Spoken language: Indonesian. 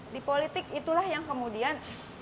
di politik itulah yang kemudian